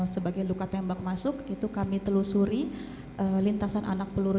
sebagai luka tembak masuk itu kami telusuri lintasan anak peluru